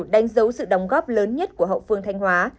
đánh dấu sự đóng góp lớn nhất của hậu phương thanh hóa